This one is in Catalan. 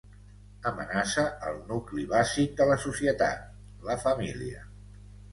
Amenaça el nucli bàsic de la societat, la família.